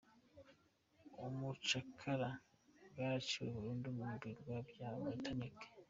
Ubucakara bwaraciwe burundu mu birwa bya Martinique.